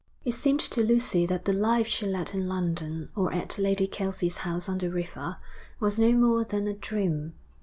It seemed to Lucy that the life she led in London, or at Lady Kelsey's house on the river, was no more than a dream.